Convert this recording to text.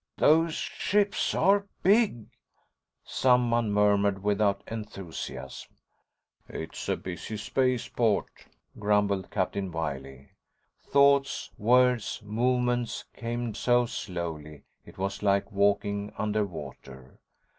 "Those ships are big," someone murmured, without enthusiasm. "It's a busy spaceport," grumbled Captain Wiley. Thoughts, words, movements came so slowly it was like walking under water.